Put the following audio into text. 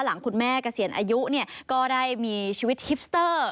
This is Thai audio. หลังคุณแม่เกษียณอายุเนี่ยก็ได้มีชีวิตฮิปสเตอร์